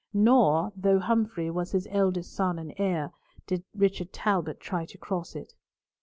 Nor, though Humfrey was his eldest son and heir, did Richard Talbot try to cross it.